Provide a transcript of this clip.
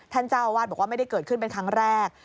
ท่านเจ้าอาวาสบอกว่าไม่ได้เกิดขึ้นเป็นครั้งแรก